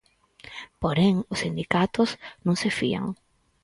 Porén, os sindicatos non se fían.